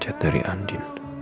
cet dari andi